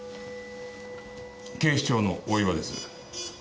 警視庁の大岩です。